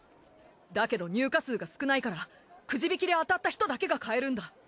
だけど入荷数が少ないからクジ引きで当たった人だけが買えるんだ。